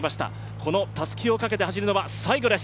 このたすきをかけて走るのは最後です。